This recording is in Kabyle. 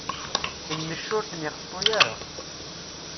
Nnec ur ten-ixeṭṭu ara.